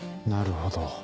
なるほど。